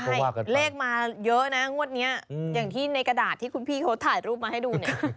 ใช่เลขมาเยอะนะงวดนี้อย่างที่ในกระดาษที่คุณพี่เขาถ่ายรูปมาให้ดูเนี่ย